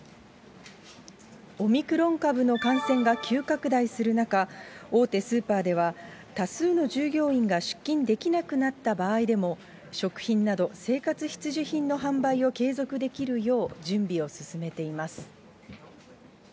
オミクロン株の感染が急拡大する中、大手スーパーでは、多数の従業員が出勤できなくなった場合でも、食品など生活必需品の販売を継続できるよう、準備を進めています。